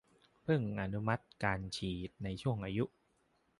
เพิ่งอนุมัติการฉีดในช่วงอายุ